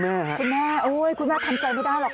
คุณแม่คุณแม่ทำใจไม่ได้หรอก